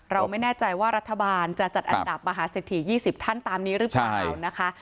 เราไม่แน่ใจว่ารัฐบาลจะจัดอันดับมหาเศรษฐี๒๐ท่านตามนี้หรือเปล่านะคะ